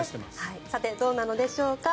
さてどうなのでしょうか。